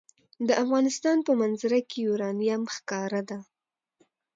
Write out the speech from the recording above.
د افغانستان په منظره کې یورانیم ښکاره ده.